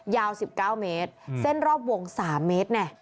ยาว๑๙เมตรเส้นรอบวง๓เมตรแน่